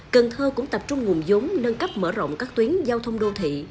cần thơ cũng tập trung nguồn giống nâng cấp mở rộng các tuyến giao thông đô thị